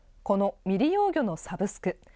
この未利用魚のサブスク。